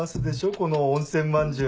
この温泉まんじゅう。